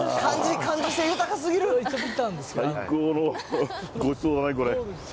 最高のごちそうだね、これ。